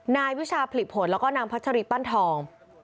นายวิชาผลิผลแล้วก็นางพัชรีปั้นทอง